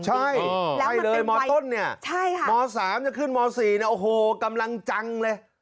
ใช่ไล่เลยมต้นเนี่ยม๓จะขึ้นม๔เนี่ยโอ้โหกำลังจังเลย